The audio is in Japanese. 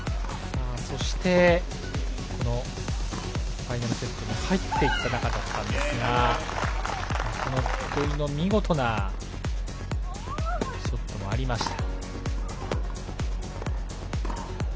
そして、このファイナルセットに入っていった中だったんですが土居の見事なショットもありました。